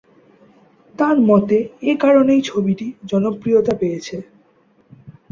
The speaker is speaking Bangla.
তার মতে, এ কারণেই ছবিটি জনপ্রিয়তা পেয়েছে।